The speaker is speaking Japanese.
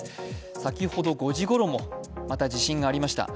先ほど５時ごろもまた地震がありました。